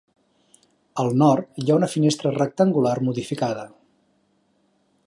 A la nord hi ha una finestra rectangular modificada.